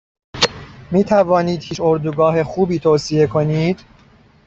میتوانید هیچ اردوگاه خوبی توصیه کنید؟